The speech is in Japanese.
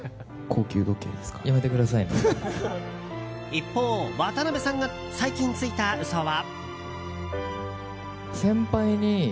一方、渡辺さんが最近ついた嘘は。